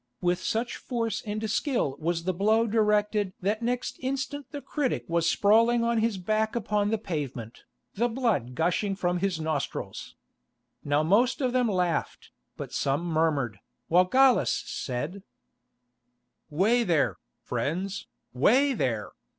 With such force and skill was the blow directed that next instant the critic was sprawling on his back upon the pavement, the blood gushing from his nostrils. Now most of them laughed, but some murmured, while Gallus said: "Way there, friends, way there!